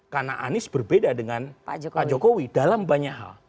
karena anies berbeda dengan pak jokowi dalam banyak hal